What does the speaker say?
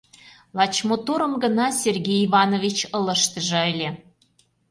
Лач моторым гына Сергей Иванович ылыжтыже ыле!